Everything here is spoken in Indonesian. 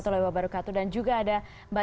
terima kasih semuanya baik